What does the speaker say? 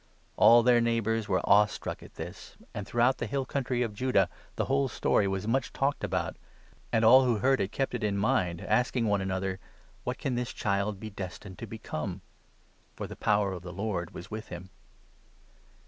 All their 65 neighbours were awe struck at this ; and throughout the hill country of Judaea the whole story was much talked about ; and all who heard it kept it in mind, asking one another — 66 " What can this child be destined to become ?" For the Power of the Lord was with him.